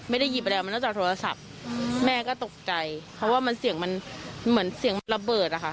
ไม่ได้หยิบอะไรออกมานอกจากโทรศัพท์แม่ก็ตกใจเพราะว่ามันเสียงมันเหมือนเสียงระเบิดอะค่ะ